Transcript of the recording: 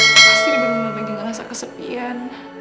pasti dibawa bawa lagi gak rasa kesepian